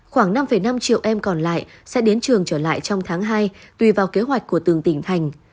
khoảng năm năm triệu em còn lại sẽ đến trường trở lại trong tháng hai tùy vào kế hoạch của từng tỉnh thành